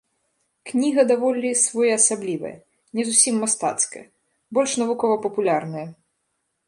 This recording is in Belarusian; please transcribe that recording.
Кніга даволі своеасаблівая, не зусім мастацкая, больш навукова-папулярная.